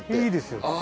いいですよ。